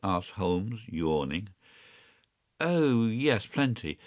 ” asked Holmes, yawning. “Oh yes; plenty.